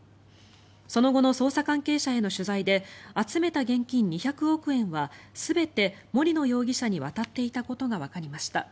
その後の捜査関係者への取材で集めた現金２００億円は全て森野容疑者に渡っていたことがわかりました。